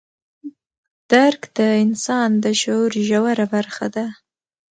درک د انسان د شعور ژوره برخه ده.